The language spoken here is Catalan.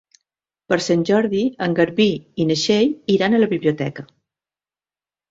Per Sant Jordi en Garbí i na Txell iran a la biblioteca.